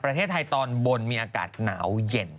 ประเทศไทยตอนบนมีอากาศหนาวเย็น